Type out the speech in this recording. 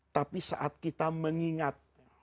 tapi saat kita mengingat